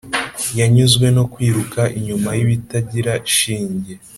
yanyuzwe no kwiruka inyuma y’ibitagira shinge.